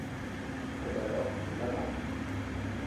Comme alors elle m'apparut